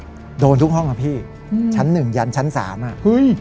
มีโอกาสมาคุยกันโดนทุกห้องครับพี่อืมชั้นหนึ่งยันชั้นสามอ่ะเฮ้ย